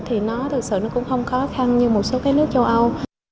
thì thực sự nó cũng không khó khăn như một số nước châu âu